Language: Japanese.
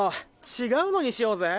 違うのにしようぜ。